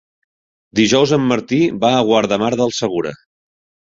Dijous en Martí va a Guardamar del Segura.